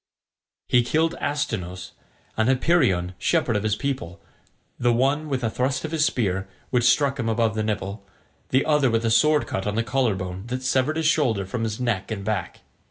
He killed Astynous, and Hypeiron shepherd of his people, the one with a thrust of his spear, which struck him above the nipple, the other with a sword cut on the collar bone, that severed his shoulder from his neck and back.